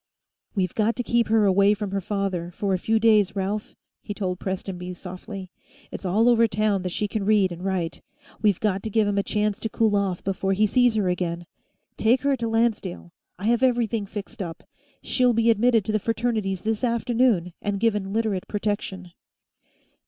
"We've got to keep her away from her father, for a few days, Ralph," he told Prestonby softly. "It's all over town that she can read and write. We've got to give him a chance to cool off before he sees her again. Take her to Lancedale. I have everything fixed up; she'll be admitted to the Fraternities this afternoon, and given Literate protection."